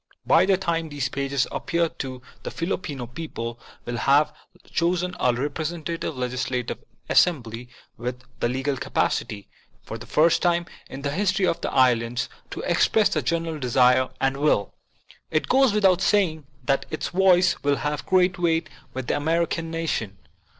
By the time these pages appear the Filipino people will have chosen a representative legislative assembly with the legal capacity, for the first time in the history of the islands, to express the general desire and will. It goes without saying that its voice will have great weight with the American nation.